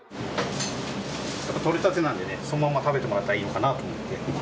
やっぱ獲れたてなんでねそのまんま食べてもらったらいいのかなと思って。